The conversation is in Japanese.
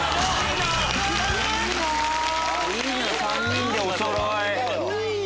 ３人でおそろい！